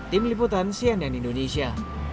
tim liputan cnn indonesia